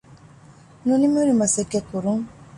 ނުނިމިހުރި މަސައްކަތްކުރުން